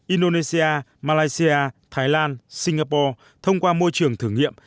indonesia malaysia thái lan singapore thông qua môi trường thử nghiệm